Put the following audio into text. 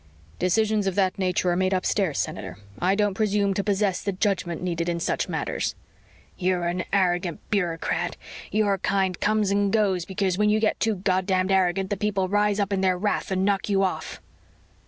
"Decisions of that nature are made upstairs, Senator. I don't presume to possess the judgment needed in such matters." "You're an arrogant bureaucrat! Your kind comes and goes because when you get too goddamned arrogant the people rise up in their wrath and knock you off."